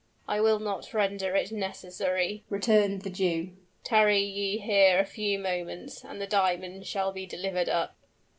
"I will not render it necessary," returned the Jew. "Tarry ye here a few moments and the diamonds shall be delivered up."